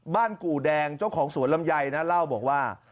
กู่แดงเจ้าของสวนลำไยนะเล่าบอกว่า